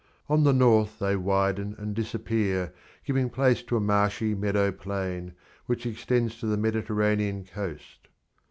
On the north they widen and disappear, giving place to a marshy meadow plain which extends to the Mediterranean coast.